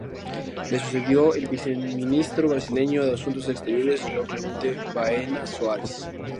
Le sucedió el Viceministro brasileño de Asuntos Exteriores, João Clemente Baena Soares.